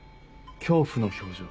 恐怖の表情。